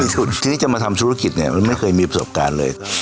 ทีนี้จะมาทำธุรกิจเนี่ยมันไม่เคยมีประสบการณ์เลย